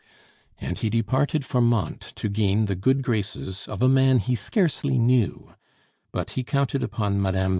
And he departed for Mantes to gain the good graces of a man he scarcely knew; but he counted upon Mme.